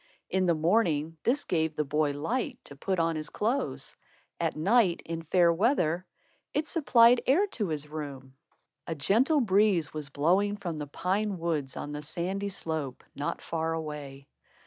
In the morning, this gave the boy light to put on his clothes. At night, in fair weather, it supplied air to his room. A gentle breeze was blowing from the pine woods on the sandy slope, not far away.